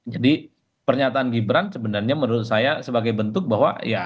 jadi pernyataan gibran sebenarnya menurut saya sebagai bentuk bahwa ya